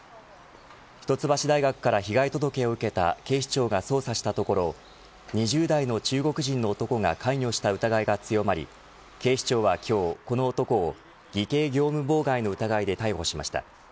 一橋大学から被害届を受けた警視庁が捜査をしたところ２０代の中国人の男が関与した疑いが強まり警視庁は今日、この男を偽計業務妨害の疑いで逮捕しました。